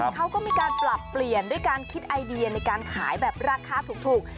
เขาก็มีการปรับเปลี่ยนด้วยการคิดไอเดียในการขายแบบราคาถูก